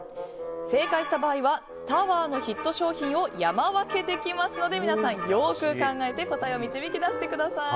正解した場合はｔｏｗｅｒのヒット商品を山分けできますので皆さん、よく考えて答えを導き出してください。